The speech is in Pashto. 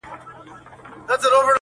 پر ښايستوكو سترگو.